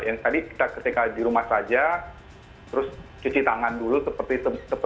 yang tadi kita ketika di rumah saja terus cuci tangan dulu seperti itu